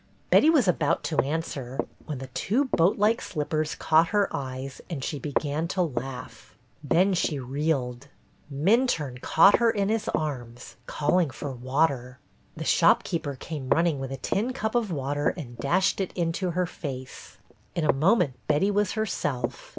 Betty was about to answer, when the two boat like slippers caught her eyes and she began to laugh. Then she reeled. Minturne caught her in his arms, calling for water. The shopkeeper came running with a tin cup of water and dashed it into her face. In a moment Betty was herself.